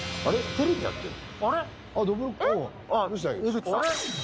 テレビやってんの？